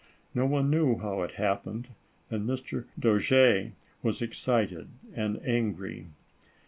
No one knew how it happened, and Mr. Dojere was excited and angry.